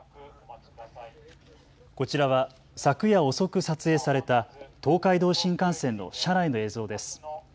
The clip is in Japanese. こちらは昨夜遅く撮影された東海道新幹線の車内の映像です。